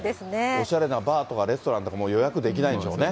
おしゃれなバーとかレストランとか、もう予約できないんでしょうね。